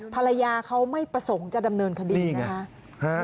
ภรรยาเขาไม่ประสงค์จะดำเนินคดีนะคะ